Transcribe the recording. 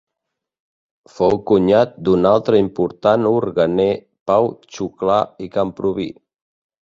Fou cunyat d'un l'altre important orguener Pau Xuclà i Camprubí.